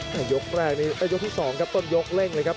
และยกแรกนี่เต้ายกที่สองครับต้นยกเร่งเลยครับ